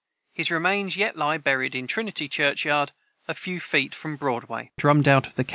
His remains yet lie buried in Trinity churchyard, a few feet from Broadway.] the 12.